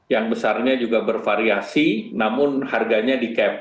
yang besarnya juga bervariasi namun harganya di cap